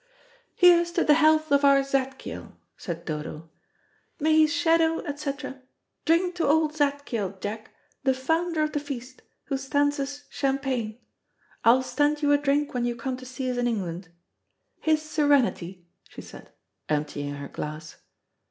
"Here's to the health of our Zadkiel," said Dodo, "may his shadow, etc: Drink to old Zadkiel, Jack, the founder of the feast, who stands us champagne. I'll stand you a drink when you come to see us in England. His Serenity," she said, emptying her glass.